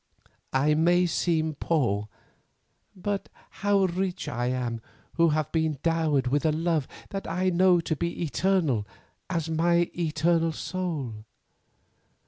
I may seem poor, but how rich I am who have been dowered with a love that I know to be eternal as my eternal soul.